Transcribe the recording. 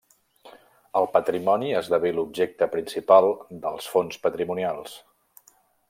El patrimoni esdevé l'objecte principal dels fons patrimonials.